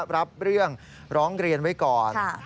รับเรื่องร้องเรียนไว้ก่อน